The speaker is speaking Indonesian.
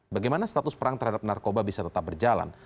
bagaimana status perang terhadap narkoba bisa tetap berjalan